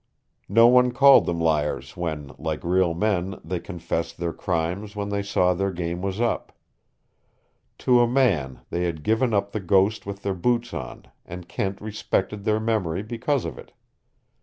No one called them liars when, like real men, they confessed their crimes when they saw their game was up. To a man they had given up the ghost with their boots on, and Kent respected their memory because of it.